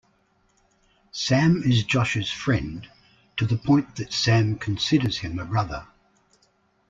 Sam is Josh's friend, to the point that Sam considers him a brother.